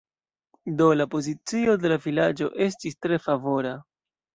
Do, la pozicio de la vilaĝo estis tre favora.